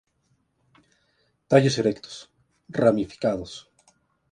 Tallos erectos, ramificados.